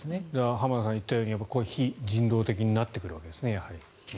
浜田さんが言ったように非人道的になってくるわけですね。